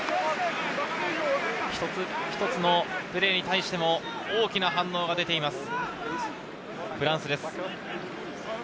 一つ一つのプレーに対しても大きな反応が出ています、フランスです。